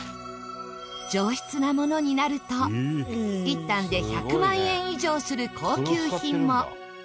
上質なものになると１反で１００万円以上する高級品も。